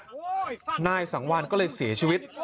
ส่วนไปอีกสองนัดนายสังวานก็เลยเสียชีวิต